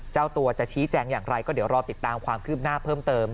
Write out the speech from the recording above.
เจ้าตัวจะชี้แจงอย่างไรก็เดี๋ยวรอติดตามความคืบหน้าเพิ่มเติม